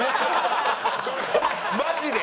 マジで！？